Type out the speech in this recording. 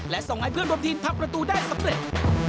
และส่งให้เพื่อนบริษัทธินภาพกระตูได้สำเร็จ